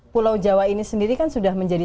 pulau jawa ini sendiri kan sudah menjadi